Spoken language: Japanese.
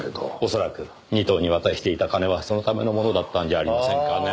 恐らく仁藤に渡していた金はそのためのものだったんじゃありませんかね。